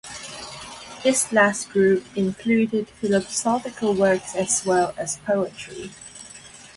This last group included philosophical works as well as poetry.